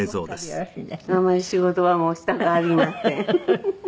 あんまり仕事はもうしたくありません。